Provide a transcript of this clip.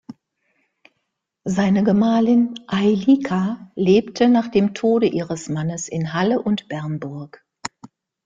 Seine Gemahlin Eilika lebte nach dem Tode ihres Mannes in Halle und Bernburg.